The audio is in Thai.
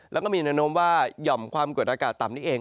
แล้วก็มีแนวโน้มว่าหย่อมความกดอากาศต่ำนี้เอง